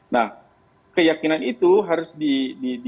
nah keyakinan itu harus di